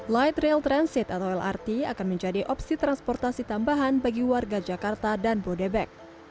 light rail transit atau lrt akan menjadi opsi transportasi tambahan bagi warga jakarta dan bodebek